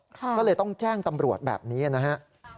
ก็เลยต้องแจ้งตำรวจแบบนี้นะฮะ